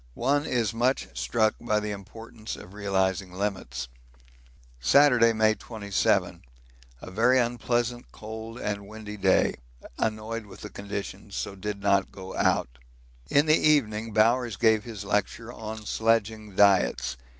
One is much struck by the importance of realising limits. Saturday, May 27. A very unpleasant, cold, windy day. Annoyed with the conditions, so did not go out. In the evening Bowers gave his lecture on sledging diets.